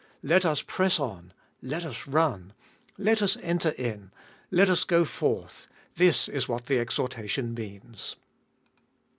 Let us press on. Let us run. Let us enter in. Let us go forth. This is what the exhortation means.